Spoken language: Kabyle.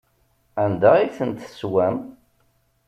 Anda ay tent-teswam?